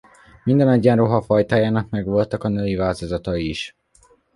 Minden egyenruha fajtának megvoltak a női változatai is.